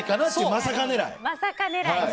まさか狙い。